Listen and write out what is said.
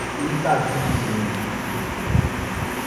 Itagimirim